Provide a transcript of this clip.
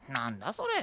それ。